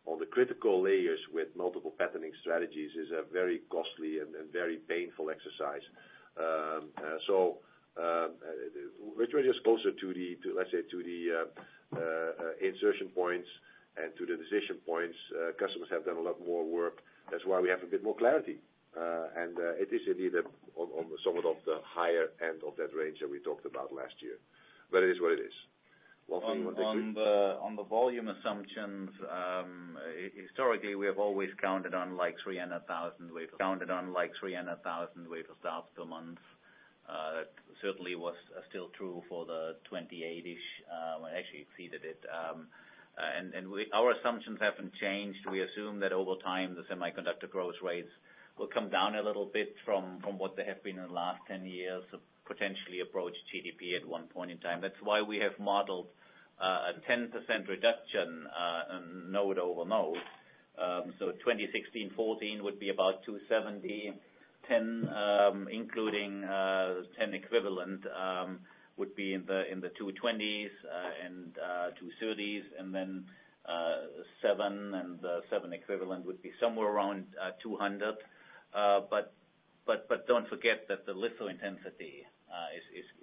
on the critical layers with multiple patterning strategies is a very costly and very painful exercise. We're just closer to the, let's say, insertion points and to the decision points. Customers have done a lot more work. That's why we have a bit more clarity. It is indeed on somewhat of the higher end of that range that we talked about last year. It is what it is. Wolfgang, you want to take this? On the volume assumptions, historically, we have always counted on 300,000 wafer starts per month. That certainly was still true for the 28-ish. Well, actually exceeded it. Our assumptions haven't changed. We assume that over time, the semiconductor growth rates will come down a little bit from what they have been in the last 10 years, potentially approach GDP at one point in time. That's why we have modeled a 10% reduction node over node. 2016, 14 would be about 270, 10 including 10 equivalent would be in the 220s and 230s, and then 7 and 7 equivalent would be somewhere around 200. Don't forget that the litho intensity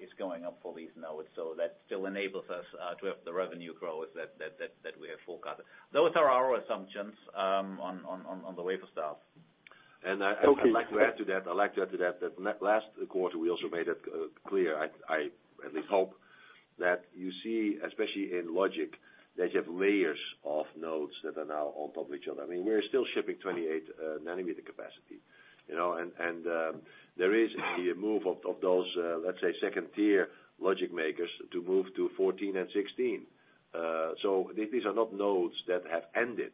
is going up for these nodes. That still enables us to have the revenue growth that we have forecasted. Those are our assumptions on the wafer starts. I'd like to add to that, last quarter, we also made it clear, I at least hope, that you see, especially in logic, that you have layers of nodes that are now on top of each other. We're still shipping 28 nanometer capacity. There is the move of those, let's say, second-tier logic makers to move to 14 and 16. These are not nodes that have ended.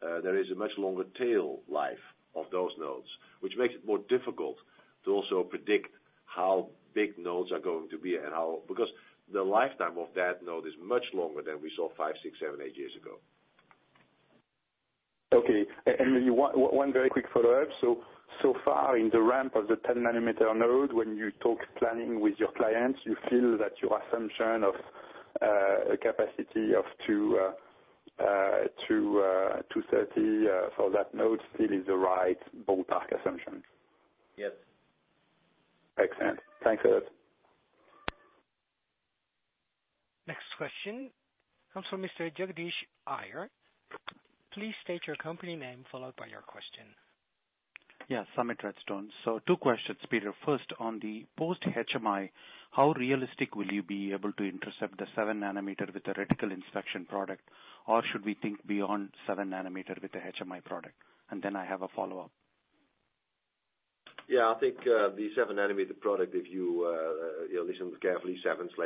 There is a much longer tail life of those nodes, which makes it more difficult to also predict how big nodes are going to be. The lifetime of that node is much longer than we saw five, six, seven, eight years ago. Okay. One very quick follow-up. Far in the ramp of the 10 nanometer node, when you talk planning with your clients, you feel that your assumption of a capacity of 230 for that node still is the right ballpark assumption? Yes. Excellent. Thanks a lot. Next question comes from Mr. Jagadish Iyer. Please state your company name, followed by your question. Yeah, Summit Redstone. Two questions, Peter. First, on the post HMI, how realistic will you be able to intercept the seven nanometer with the actinic inspection product? Or should we think beyond seven nanometer with the HMI product? I have a follow-up. Yeah. I think the 7 nanometer product, if you listen carefully, 7/5,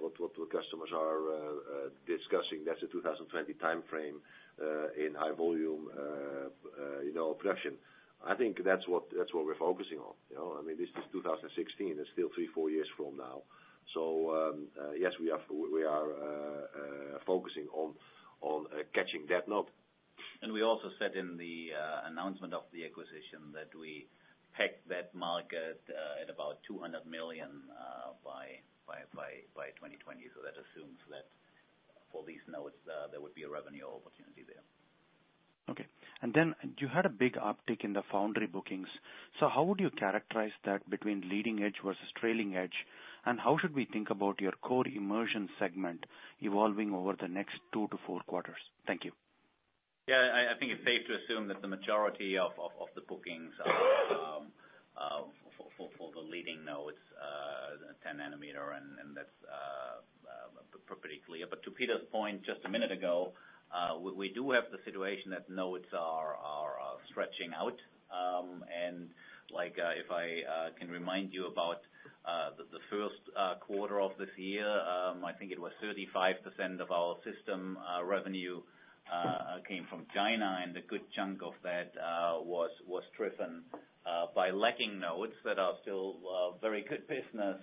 what the customers are discussing, that's a 2020 timeframe, in high volume production. I think that's what we're focusing on. This is 2016. It's still three, four years from now. Yes, we are focusing on catching that node. We also said in the announcement of the acquisition that we pegged that market at about 200 million by 2020. That assumes that for these nodes, there would be a revenue opportunity there. Okay. You had a big uptick in the foundry bookings. How would you characterize that between leading edge versus trailing edge? How should we think about your core immersion segment evolving over the next two to four quarters? Thank you. Yeah, I think it's safe to assume that the majority of the bookings are for the leading nodes, the 10 nanometer, that's appropriately clear. To Peter's point just a minute ago, we do have the situation that nodes are stretching out. If I can remind you about the first quarter of this year, I think it was 35% of our system revenue came from China, a good chunk of that was driven by lagging nodes that are still very good business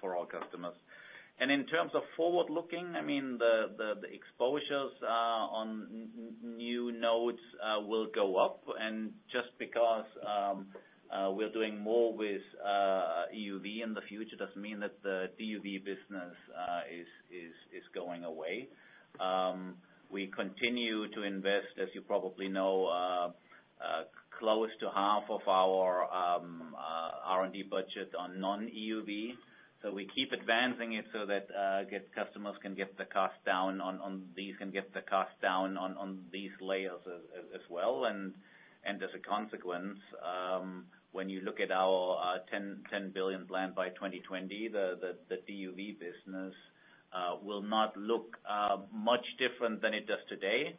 for our customers. In terms of forward-looking, the exposures on new nodes will go up. Just because we're doing more with EUV in the future doesn't mean that the DUV business is going away. We continue to invest, as you probably know, close to half of our R&D budget on non-EUV. We keep advancing it so that customers can get the cost down on these layers as well. As a consequence, when you look at our 10 billion plan by 2020, the DUV business will not look much different than it does today.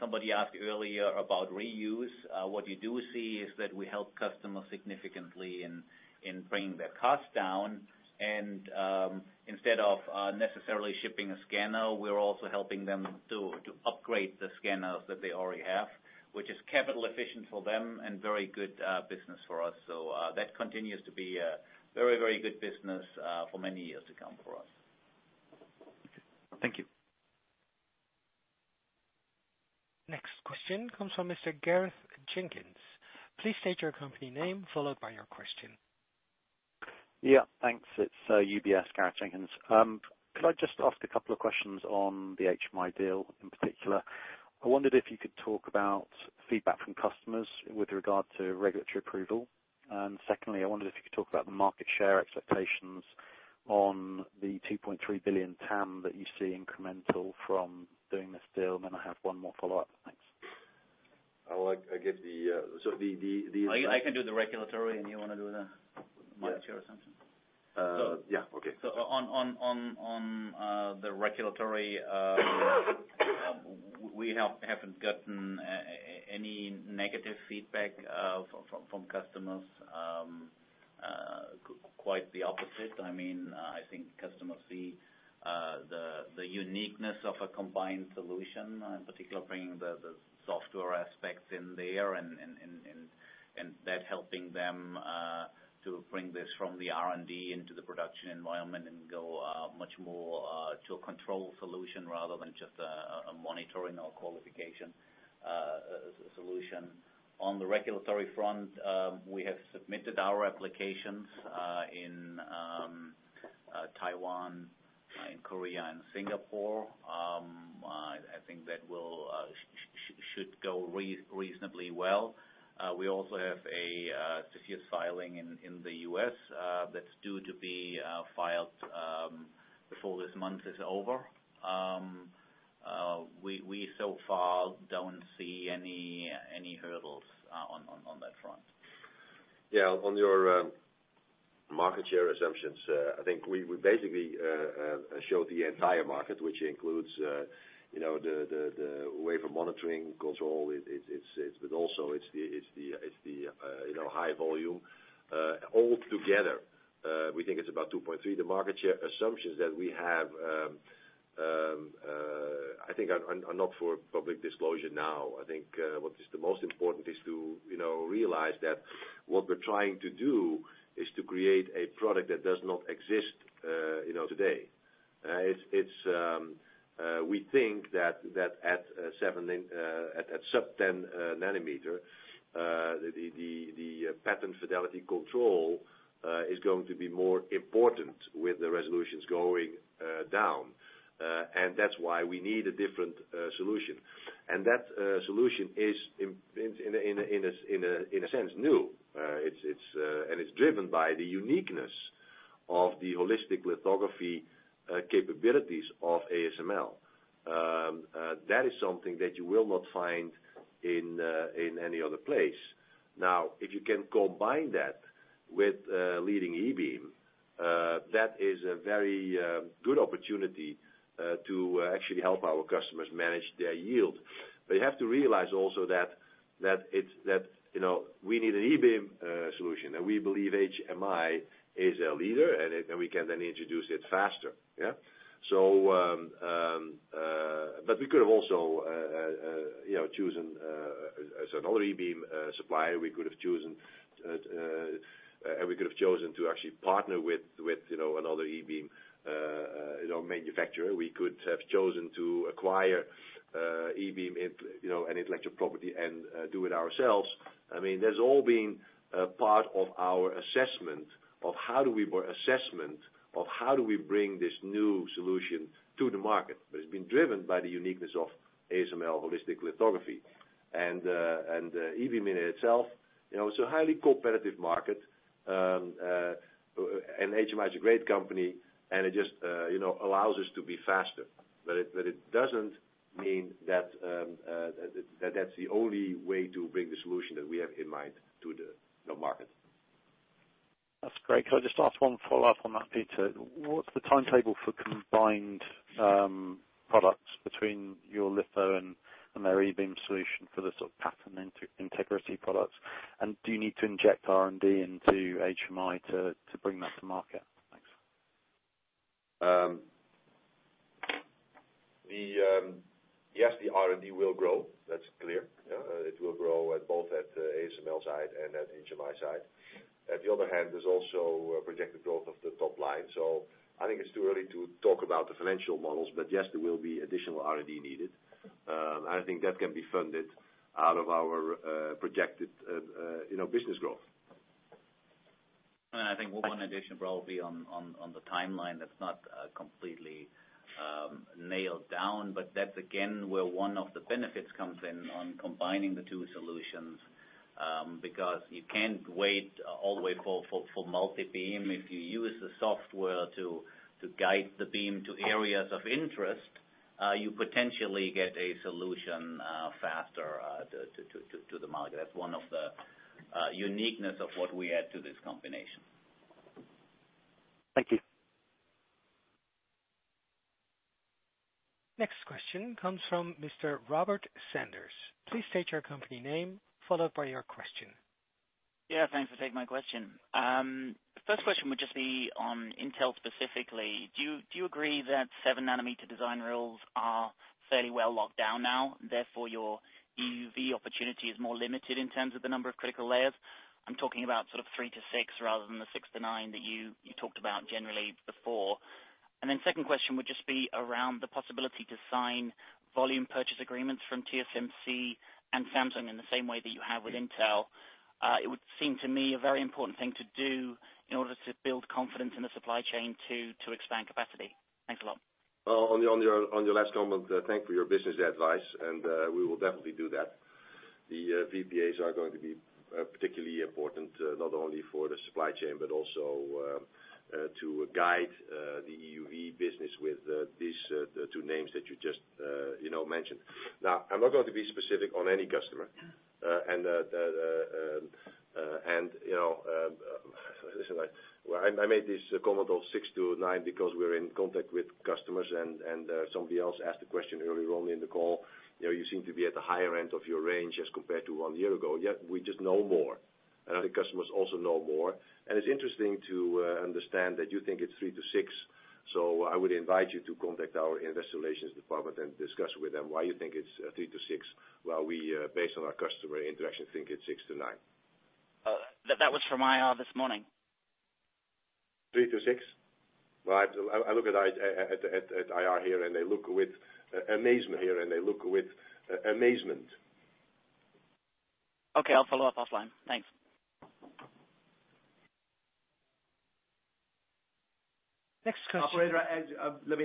Somebody asked earlier about reuse. What you do see is that we help customers significantly in bringing their costs down. Instead of necessarily shipping a scanner, we're also helping them to upgrade the scanners that they already have, which is capital efficient for them and very good business for us. That continues to be a very good business for many years to come for us. Thank you. Next question comes from Mr. Gareth Jenkins. Please state your company name, followed by your question. Thanks. It's UBS, Gareth Jenkins. Could I just ask a couple of questions on the HMI deal in particular? I wondered if you could talk about feedback from customers with regard to regulatory approval. Secondly, I wondered if you could talk about the market share expectations on the 2.3 billion TAM that you see incremental from doing this deal, and then I have one more follow-up. Thanks. I'll give. I can do the regulatory, you want to do the market share assumption? Yeah. Okay. We haven't gotten any negative feedback from customers. Quite the opposite. I think customers see the uniqueness of a combined solution, in particular bringing the software aspects in there and that helping them to bring this from the R&D into the production environment and go much more to a control solution rather than just a monitoring or qualification solution. On the regulatory front, we have submitted our applications in Taiwan, in Korea, and Singapore. I think that should go reasonably well. We also have a HSR filing in the U.S. that's due to be filed before this month is over. We so far don't see any hurdles on that front. Yeah, on your market share assumptions. I think we basically showed the entire market, which includes the wafer monitoring control, but also it's the high volume. All together, we think it's about 2.3. The market share assumptions that we have, I think are not for public disclosure now. I think what is the most important is to realize that what we're trying to do is to create a product that does not exist today. We think that at sub-10 nanometer, the pattern fidelity control is going to be more important with the resolutions going down. That's why we need a different solution. That solution is, in a sense, new. It's driven by the uniqueness of the holistic lithography capabilities of ASML. That is something that you will not find in any other place. Now, if you can combine that with leading E-beam, that is a very good opportunity to actually help our customers manage their yield. You have to realize also that we need an E-beam solution, we believe HMI is a leader, and we can then introduce it faster. We could have also chosen another E-beam supplier. We could have chosen to actually partner with another E-beam manufacturer. We could have chosen to acquire E-beam intellectual property and do it ourselves. That's all been a part of our assessment of how do we bring this new solution to the market. It's been driven by the uniqueness of ASML holistic lithography. E-beam in itself, it's a highly competitive market. HMI is a great company, and it just allows us to be faster. It doesn't mean that's the only way to bring the solution that we have in mind to the market. That's great. Could I just ask one follow-up on that, Peter? What's the timetable for combined products between your litho and their E-beam solution for the sort of pattern integrity products? Do you need to inject R&D into HMI to bring that to market? Thanks. Yes, the R&D will grow. That is clear. It will grow both at ASML side and at HMI side. At the other hand, there is also a projected growth of the top line. I think it is too early to talk about the financial models. Yes, there will be additional R&D needed. I think that can be funded out of our projected business growth. I think one addition probably on the timeline that is not completely nailed down. That is again, where one of the benefits comes in on combining the two solutions. Because you cannot wait all the way for multi-beam. If you use the software to guide the beam to areas of interest. You potentially get a solution faster to the market. That is one of the uniqueness of what we add to this combination. Thank you. Next question comes from Mr. Robert Sanders. Please state your company name, followed by your question. Yeah, thanks for taking my question. First question would just be on Intel specifically. Do you agree that seven nanometer design rules are fairly well locked down now, therefore your EUV opportunity is more limited in terms of the number of critical layers? I'm talking about sort of three to six rather than the six to nine that you talked about generally before. Second question would just be around the possibility to sign Volume Purchase Agreements from TSMC and Samsung in the same way that you have with Intel. It would seem to me a very important thing to do in order to build confidence in the supply chain to expand capacity. Thanks a lot. On your last comment, thank you for your business advice. We will definitely do that. The VPAs are going to be particularly important, not only for the supply chain, but also to guide the EUV business with these two names that you just mentioned. Now, I'm not going to be specific on any customer. Listen, I made this comment of six to nine because we're in contact with customers and somebody else asked the question earlier on in the call. You seem to be at the higher end of your range as compared to one year ago. We just know more, I think customers also know more, and it's interesting to understand that you think it's three to six. I would invite you to contact our investor relations department and discuss with them why you think it's three to six, while we, based on our customer interaction, think it's six to nine. That was from IR this morning. Three to six? Well, I look at IR here, and I look with amazement. Okay, I'll follow up offline. Thanks. Next question. Operator, let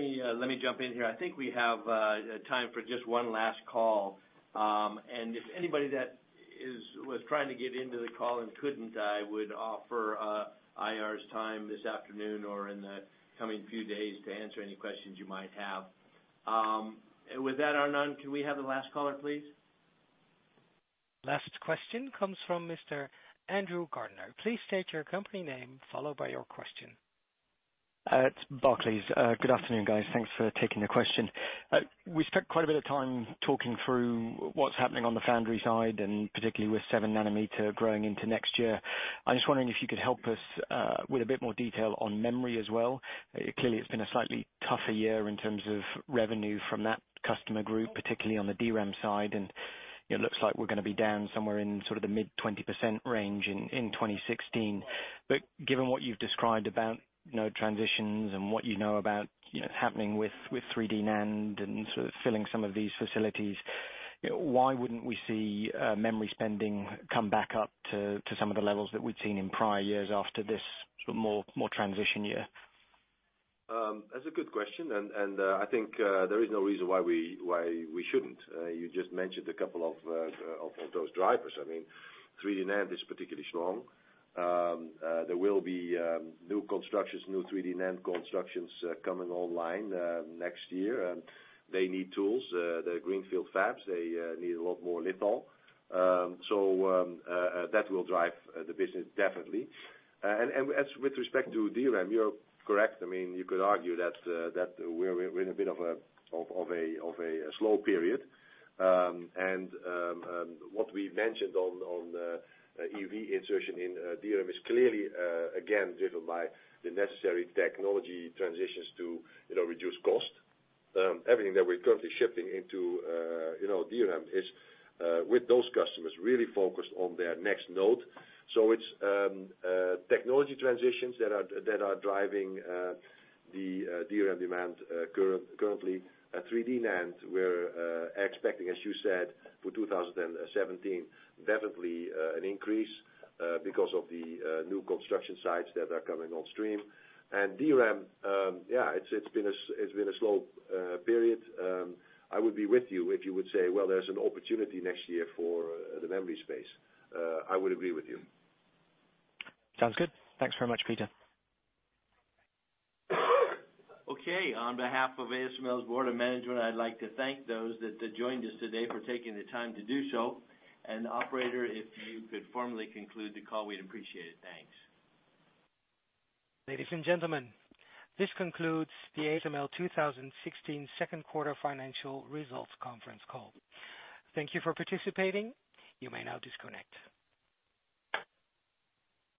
me jump in here. I think we have time for just one last call. If anybody that was trying to get into the call and couldn't, I would offer IR time this afternoon or in the coming few days to answer any questions you might have. With that, Arnon, can we have the last caller, please? Last question comes from Mr. Andrew Gardiner. Please state your company name, followed by your question. It's Barclays. Good afternoon, guys. Thanks for taking the question. We spent quite a bit of time talking through what's happening on the foundry side, particularly with 7 nanometer growing into next year. I'm just wondering if you could help us with a bit more detail on memory as well. Clearly, it's been a slightly tougher year in terms of revenue from that customer group, particularly on the DRAM side, and it looks like we're going to be down somewhere in sort of the mid-20% range in 2016. Given what you've described about transitions and what you know about happening with 3D NAND and sort of filling some of these facilities, why wouldn't we see memory spending come back up to some of the levels that we've seen in prior years after this sort of more transition year? That's a good question. I think there is no reason why we shouldn't. You just mentioned a couple of those drivers. I mean, 3D NAND is particularly strong. There will be new constructions, new 3D NAND constructions coming online next year. They need tools. The greenfield fabs, they need a lot more litho. That will drive the business, definitely. With respect to DRAM, you're correct. You could argue that we're in a bit of a slow period. What we mentioned on EUV insertion in DRAM is clearly, again, driven by the necessary technology transitions to reduce cost. Everything that we're currently shipping into DRAM is with those customers really focused on their next node. It's technology transitions that are driving the DRAM demand currently. 3D NAND, we're expecting, as you said, for 2017, definitely an increase because of the new construction sites that are coming on stream. DRAM, yeah, it's been a slow period. I would be with you if you would say, well, there's an opportunity next year for the memory space. I would agree with you. Sounds good. Thanks very much, Peter. Okay. On behalf of ASML's Board of Management, I'd like to thank those that joined us today for taking the time to do so. Operator, if you could formally conclude the call, we'd appreciate it. Thanks. Ladies and gentlemen, this concludes the ASML 2016 Second Quarter Financial Results Conference Call. Thank you for participating. You may now disconnect.